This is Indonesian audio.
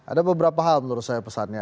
ada beberapa hal menurut saya pesannya